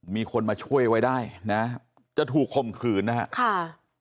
มีคนมาช่วยไว้ได้นะจะถูกคมขืนนะฮะค่ะ